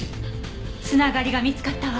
繋がりが見つかったわ。